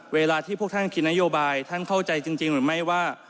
เวลาที่พวกท่านคิดนโยบายท่านเข้าใจจริงหรือไม่ว่า